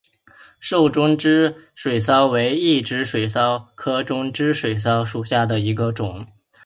瘦中肢水蚤为异肢水蚤科中肢水蚤属下的一个种。